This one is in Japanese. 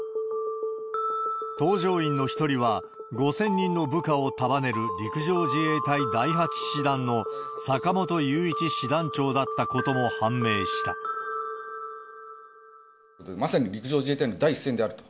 搭乗員の１人は、５０００人の部下を束ねる陸上自衛隊第８師団の坂本雄一師団長だまさに陸上自衛隊の第一線であると。